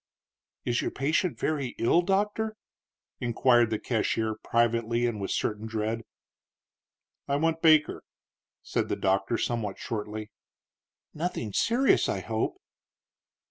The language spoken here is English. "Is your patient very ill, doctor?" inquired the cashier, privately and with a certain dread. "I want Baker," said the doctor, somewhat shortly. "Nothing serious, I hope."